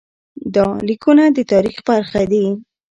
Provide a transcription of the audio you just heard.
دا لیکونه د تاریخ برخه دي.